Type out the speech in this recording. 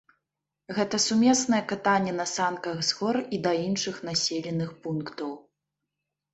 Гэта сумеснае катанне на санках з гор і да іншых населеных пунктаў.